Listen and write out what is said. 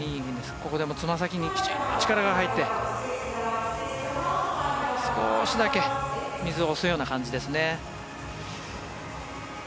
ここでもつま先にきちんと力が入って少しだけ水を押すような感じですね。